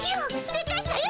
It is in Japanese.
でかしたよ